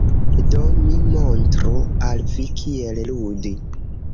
Do mi montru al vi kiel ludi.